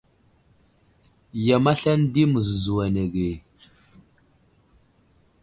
Yam aslane di məzəzo anege.